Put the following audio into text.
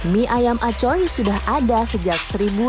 mie ayam acoy sudah ada sejak seribu sembilan ratus delapan puluh